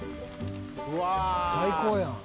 最高やん。